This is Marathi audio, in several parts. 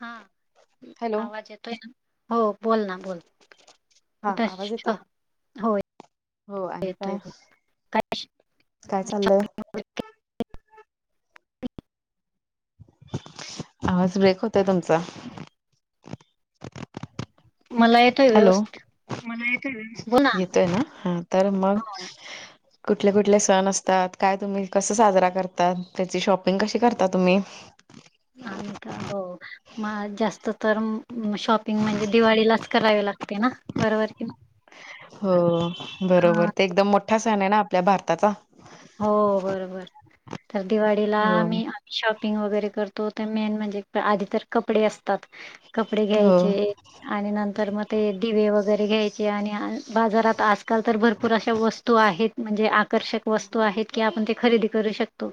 हा हॅलो आवाज येतोय हो बोल ना बोल. हा कुठ आवाज येतोय? होय हो आणि येत काय आहे काय. काय चाललंय. शब्द- आवाज ब्रेक होतय तुमचा. मला येतोय हॅलो व्यवस्थित मला येतय येतय ना ह तर मग. हो, कुठले कुठले सण असतात काय तुम्ही कसं साजरा करतात त्याची शॉपिंग कशी करता तुम्ही. [inaudible] आ का हो. मग जास्त तर शॉपिंग म्हणजे दिवाळीलाच करावे लागते ना.. बरोबर क हो बरोबर ते एकदम मोठा सण आहे ना आपल्या भारताचा हो बरोबर तर दिवाळीला हो मी शॉपिंग वगैरे करतो तर मेन म्हणजे आधी तर कपडे असतात कपडे हो घ्यायचे. आणि नंतर मग ते दिवे वगैरे घ्यायचे आणि बाजारात अस. आजकाल तर भरपूर अशा वस्तू आहेत म्हणजे आकर्षक वस्तू आहेत की आपण ते खरेदी करू शकतो.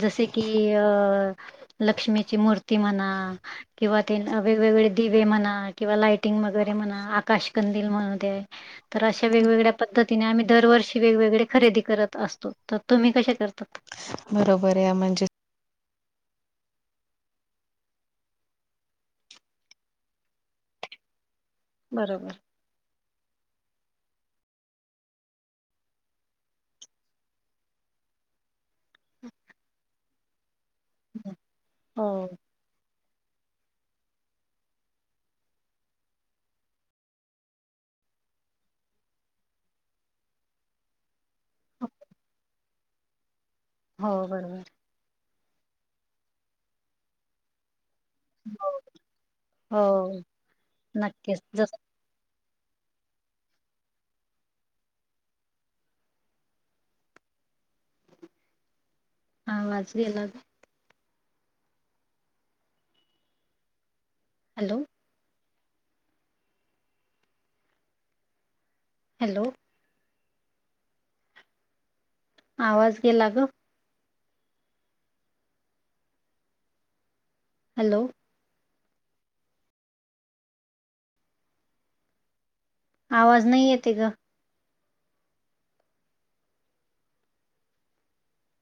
जसे की अ लक्ष्मीची मूर्ती म्हणा. किंवा ते वेगवेगळे दिवे म्हणा किंवा लाइटिंग वगैरे म्हणा आकाशकंदील म्हणते. तर अशा वेगवेगळ्या पद्धतीने आम्ही दरवर्षी वेगवेगळे खरेदी करत असतो तर तुम्ही कसे करतात. बरोबर आहे म्हणजे. बरोबर. हो. ह हो बरोबर हो, हो नक्कीच हा आवाज गेला होता.. हॅलो हॅलो आवाज गेला ग हॅलो आवाज नाही येते ग